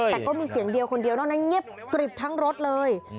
แต่ก็มีเสียงเดียวคนเดียวนอกนั้นเงียบกริบทั้งรถเลย